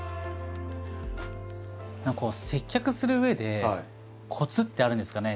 何かこう接客するうえでコツってあるんですかね？